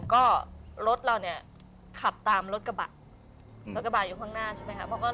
ก็รถเราเนี่ยขับตามรถกระบะรถกระบะอยู่ข้างหน้าใช่ไหมคะ